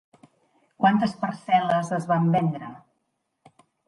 Quantes parcel·les es van vendre?